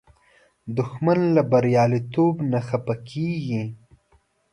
دښمن له بریالیتوب نه خفه کېږي